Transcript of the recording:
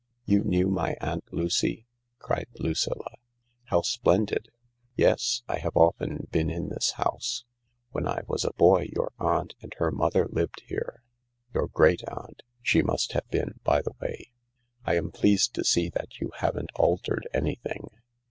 " You knew my Aunt Lucy ?" criedj Lucilla. " How splendid !"" Yes. I have often been in this house — when I was a boy your aunt and her mother lived here. Your great aunt, she must have been, by the way. I am pleased to see that you haven't altered anything."